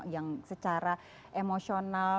yang secara emosional